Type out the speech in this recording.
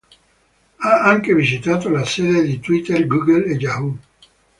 Ha anche visitato la sede di Twitter, Google e Yahoo!